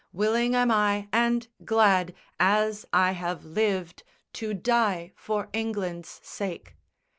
Willing am I and glad, as I have lived, To die for England's sake.